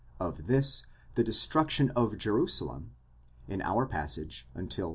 Of this, the destruction of Jerusalem (in our passage until v.